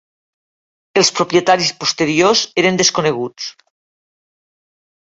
Els propietaris posteriors eren desconeguts.